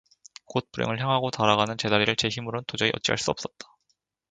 곧 불행을 향하고 달아가는 제 다리를 제 힘으로는 도저히 어찌할 수 없었다